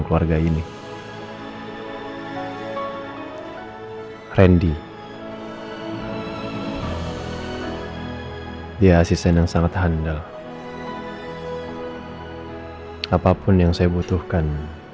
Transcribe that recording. keluarga ini randy dia asisten yang sangat handal apapun yang saya butuhkan